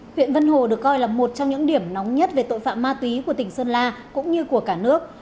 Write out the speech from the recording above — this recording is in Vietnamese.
huyện vân hồ được coi là một trong những điểm nóng nhất về tội phạm ma túy của tỉnh sơn la cũng như của cả nước